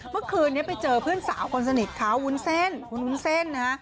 เมื่อคืนนี้ไปเจอเพื่อนสาวคนสนิทเขาวุ้นเส้นคุณวุ้นเส้นนะฮะ